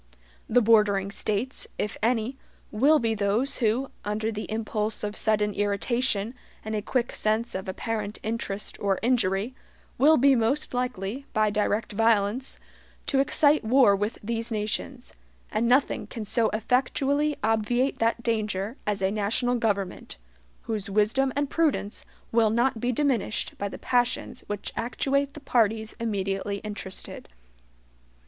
The bordering States, if any, will be those who, under the impulse of sudden irritation, and a quick sense of apparent interest or injury, will be most likely, by direct violence, to excite war with these nations; and nothing can so effectually obviate that danger as a national government, whose wisdom and prudence will not be diminished by the passions which actuate the parties immediately interested.